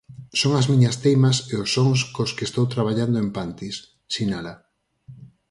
Son as miñas teimas e os sons cos que estou traballando en Pantis, sinala.